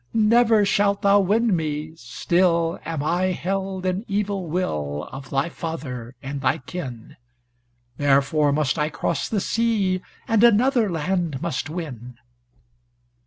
Never shalt thou win me; still Am I held in evil will Of thy father and thy kin, Therefore must I cross the sea, And another land must win."